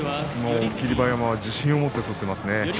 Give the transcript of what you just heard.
霧馬山は自信を持って取っていますね。